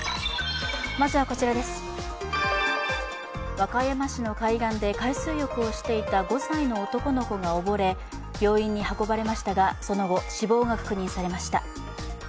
和歌山市の海岸で海水浴をしていた５歳の男の子が溺れ病院に運ばれましたがその後、死亡が確認されました。